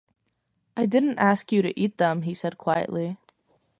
“I didn’t ask you to eat them,” he said quietly.